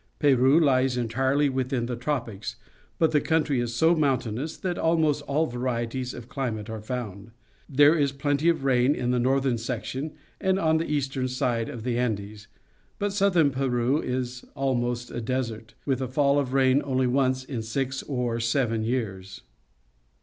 Peru lies entirely within the tropics, but the countrj is so mountainous that almost aU varieties of cUmate are found. There is plenty of rain in the northern section and on the eastern side of the Andes, but south ern Peru is almost a desert, \nth a fall of rain only once in six or seven years.